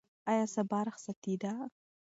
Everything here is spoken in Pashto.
آیا سبا رخصتي ده؟